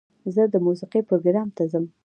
زه د موسیقۍ پروګرام ته ځم.